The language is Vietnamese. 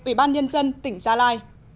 ủy ban nhân dân tỉnh gia lai